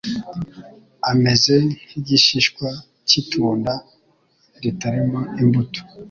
ameze nk'igishishwa cy'itunda ritarimo imbuto.